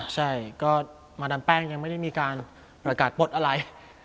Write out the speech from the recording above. ใช่ก็มาดามแป้งยังไม่ได้มีการประกาศปลดอะไร